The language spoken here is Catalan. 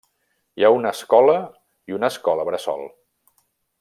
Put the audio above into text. Hi ha una escola i una escola bressol.